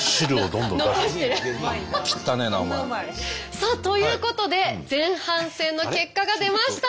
さあということで前半戦の結果が出ました。